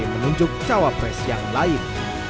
menunjuk cawapres yang lain